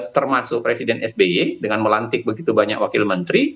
termasuk presiden sby dengan melantik begitu banyak wakil menteri